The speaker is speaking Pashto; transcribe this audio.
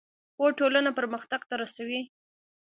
پوهه ټولنه پرمختګ ته رسوي.